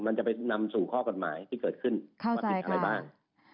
มันจะไปนำสู่ข้อกฎหมายที่เกิดขึ้นว่าผิดอะไรบ้าง